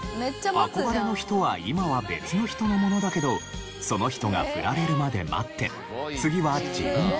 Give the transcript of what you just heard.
憧れの人は今は別の人のものだけどその人がフラれるまで待って次は自分と。